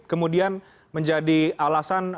kemudian menjadi alasan